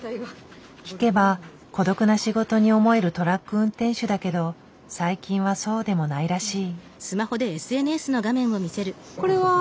聞けば孤独な仕事に思えるトラック運転手だけど最近はそうでもないらしい。